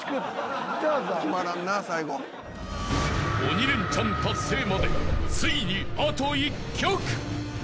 ［鬼レンチャン達成までついにあと１曲］